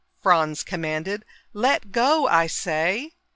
Franz commanded. "Let go, I say!"